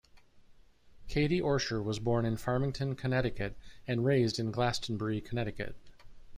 Katie Orscher was born in Farmington, Connecticut and raised in Glastonbury, Connecticut.